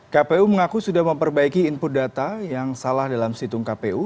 kpu mengaku sudah memperbaiki input data yang salah dalam situng kpu